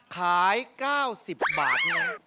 ขาย๙๐บาท